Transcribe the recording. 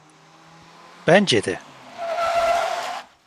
Bence de.